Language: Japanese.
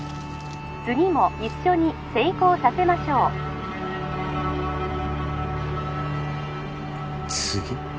☎次も一緒に成功させましょう次？